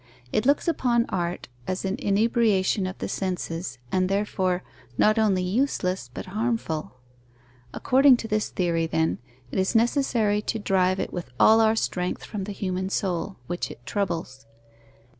It looks upon art as an inebriation of the senses, and therefore, not only useless, but harmful. According to this theory, then, it is necessary to drive it with all our strength from the human soul, which it troubles.